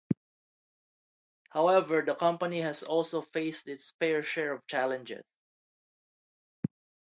However, the company has also faced its fair share of challenges.